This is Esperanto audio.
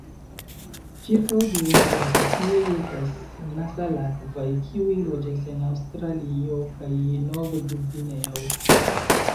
Ĉirkaŭ duono de la specioj estas nesalakvaj, kiuj loĝas en Aŭstralio kaj Novgvineo.